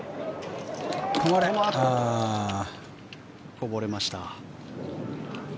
こぼれました。